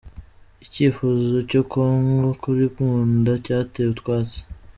Icyifuzo cya Congo kuri Nkunda cyatewe utwatsi